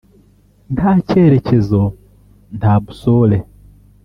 nta cyerekezo nta “boussole”